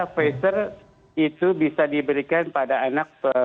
pfizer itu bisa diberikan pada anak